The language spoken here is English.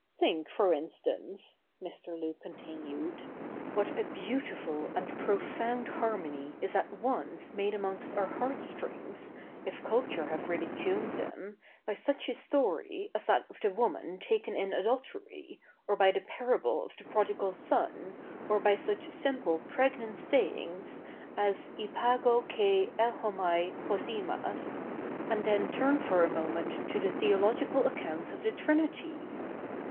Think, for instance,' Mr. Luke continued, ' what a beautiful and profound harmony is at once made amongst our heartstrings, if culture have really tuned them, by such a story as that of the woman taken in adultery, or by the parable of the Prodigal Son, or by such simple pregnant sayings as " v n ayoi kuX ep^^ofxai TTpos vfxas," and then turn for a moment to the theological accounts of the Trinity